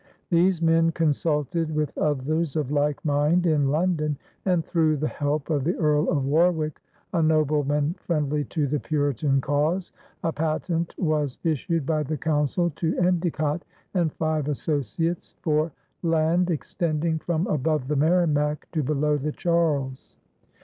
These men consulted with others of like mind in London, and through the help of the Earl of Warwick, a nobleman friendly to the Puritan cause, a patent was issued by the Council to Endecott and five associates, for land extending from above the Merrimac to below the Charles.